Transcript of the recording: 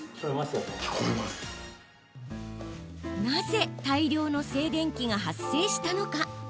なぜ大量の静電気が発生したのか？